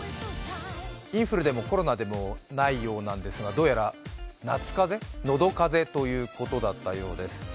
インフルでもコロナでもないようなんですが、どうやら夏かぜ、喉かぜということだったようです。